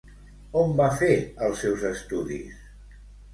On va fer els seus estudis?